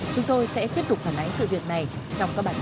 chúng tôi sẽ tiếp tục phản ánh sự việc này trong các bản tin sau